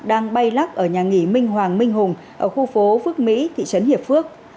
đang bay lắc ở nhà nghỉ minh hoàng minh hùng ở khu phố phước mỹ thị trấn hiệp phước